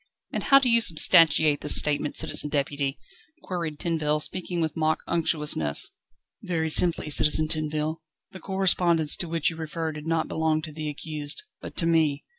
"And how do you substantiate this statement, Citizen Deputy?" queried Tinville, speaking with mock unctuousness. "Very simply, Citizen Tinville. The correspondence to which you refer did not belong to the accused, but to me.